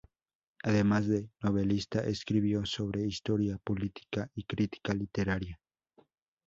Además de novelista, escribió sobre historia, política y crítica literaria.